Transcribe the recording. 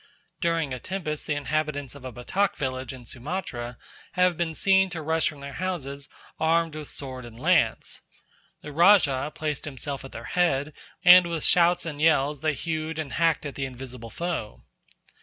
During a tempest the inhabitants of a Batak village in Sumatra have been seen to rush from their houses armed with sword and lance. The rajah placed himself at their head, and with shouts and yells they hewed and hacked at the invisible foe.